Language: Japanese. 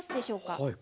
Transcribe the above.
はい。